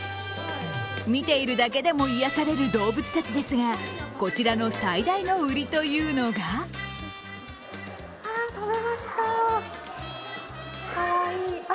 見ているだけでも癒やされる動物たちですがこちらの最大の売りというのがあ